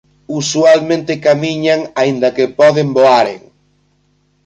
Usualmente camiñan aínda que poden voaren.